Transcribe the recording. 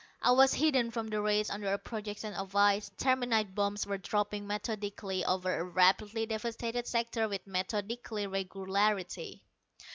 I was hidden from the rays under a projection of ice, terminite bombs were dropping methodically over a rapidly devastated sector with methodical regularity.